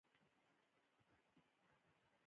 افغانستان د کندهار لپاره مشهور دی.